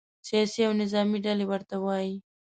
سیاسي او نظامې ډلې ورته وي.